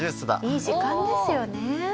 いい時間ですよね。